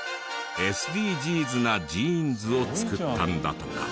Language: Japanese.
ＳＤＧｓなジーンズを作ったんだとか。